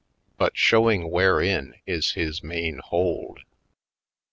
But showing wherein is his main hold.